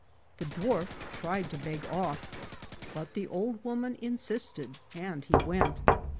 The dwarf tried to beg off, but the old woman insisted, and he went.